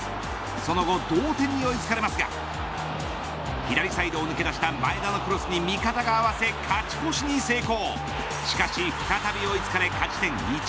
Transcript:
その後同点に追いつかれますが左サイドを抜け出した前田のクロスに味方が合わせ勝ち越しに成功。